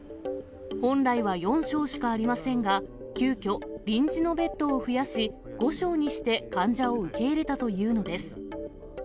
本来は４床しかありませんが、急きょ、臨時のベッドを増やし、５床にして患者を受け入れたというのです。